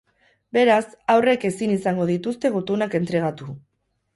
Beraz, haurrek ezin izango dituzte gutunak entregatu.